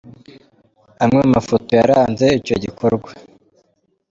Amwe mu mafoto yaranze icyo gikorwa.